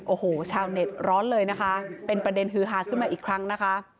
โอ้โหชาวเน็ตร้อนเลยนะคะเป็นประเด็นฮือฮาขึ้นมาอีกครั้งนะคะ